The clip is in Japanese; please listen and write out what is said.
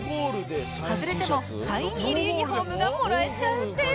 外れてもサイン入りユニホームがもらえちゃうんです